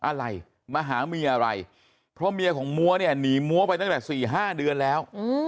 อะไรมาหาเมียอะไรเพราะเมียของมัวเนี่ยหนีมั้วไปตั้งแต่๔๕เดือนแล้ว